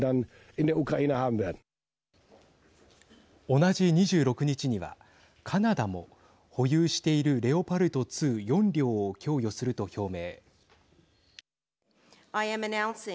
同じ２６日にはカナダも保有しているレオパルト２４両を供与すると表明。